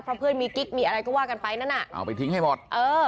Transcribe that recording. เพราะเพื่อนมีกิ๊กมีอะไรก็ว่ากันไปนั่นน่ะเอาไปทิ้งให้หมดเออ